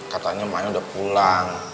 katanya emaknya udah pulang